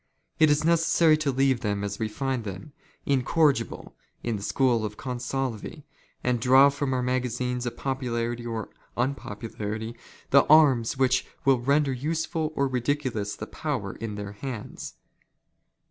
It is necessary to " leave them as we find them, incorrigible, in the school of " Consalvi, and draw from our magazines of popularity or *' unpopularity the arms which will render useful or ridiculous the " power in their hands.